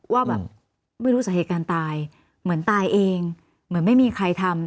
ว่าแบบไม่รู้สาเหตุการณ์ตายเหมือนตายเองเหมือนไม่มีใครทำ